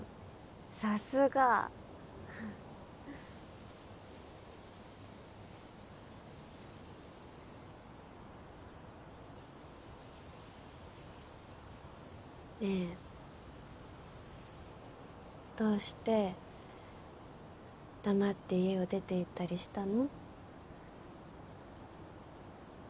さすが！ねえどうして黙って家を出て行ったりしたの？